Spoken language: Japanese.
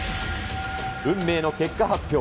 運命の結果発表。